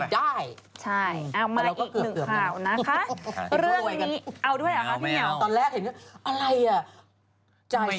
สวัสดีค่าข้าวใส่ไข่